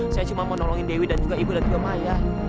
saya cuma mau nolongin dewi dan juga ibu dan juga maya